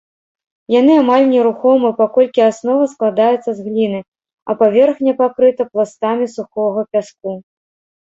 Яны амаль нерухомы, паколькі аснова складаецца з гліны, а паверхня пакрыта пластамі сухога пяску.